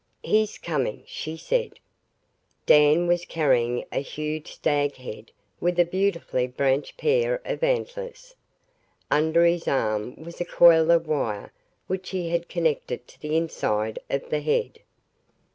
"He's coming," she said. Dan was carrying a huge stag head with a beautifully branched pair of antlers. Under his arm was a coil of wire which he had connected to the inside of the head.